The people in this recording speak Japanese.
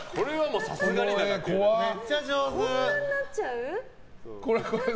めっちゃ上手！